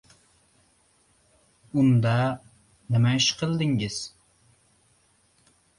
— Unda, nima ish qildingiz?